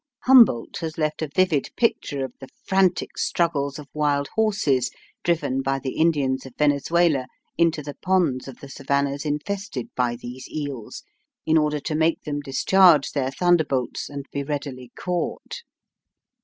Humboldt has left a vivid picture of the frantic struggles of wild horses driven by the Indians of Venezuela into the ponds of the savannahs infested by these eels, in order to make them discharge their thunderbolts and be readily caught.